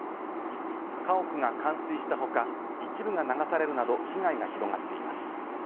家屋が冠水したほか、一部が流されるなど被害が広がっています。